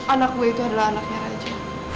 anak gue itu adalah anaknya raja